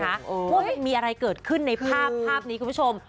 ว่ามันมีอะไรเกิดขึ้นในภาพภาพนี้คุณผู้ชม